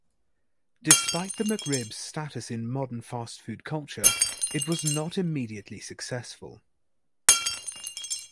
Despite the McRib's status in modern fast food culture, it was not immediately successful.